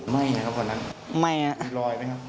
มีรอยไหมครับ